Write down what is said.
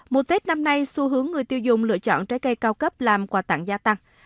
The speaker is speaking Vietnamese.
mùa tết năm nay xu hướng người tiêu dùng lựa chọn trái cây cao cấp làm quà tặng gia tăng